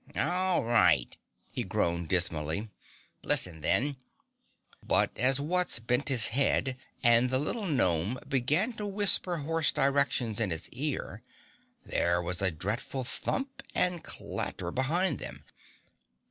"All right," he groaned dismally. "Listen, then " But as Wutz bent his head and the little gnome began to whisper hoarse directions in his ear, there was a dreadful thump and clatter behind them.